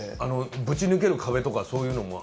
ぶち抜ける壁とかそういうのも。